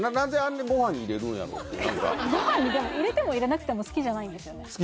いやいや何かご飯に入れても入れなくても好きじゃないんですよね？